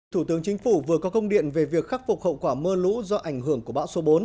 thủ tướng chính phủ vừa có công điện về việc khắc phục hậu quả mưa lũ do ảnh hưởng của bão số bốn